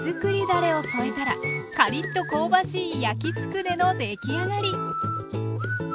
だれを添えたらカリッと香ばしい焼きつくねのできあがり。